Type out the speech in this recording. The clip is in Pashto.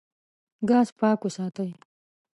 ګاز پاک وساتئ.